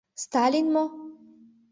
Сталин мо?